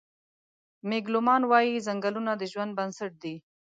مېګ لومان وايي: "ځنګلونه د ژوند بنسټ دی.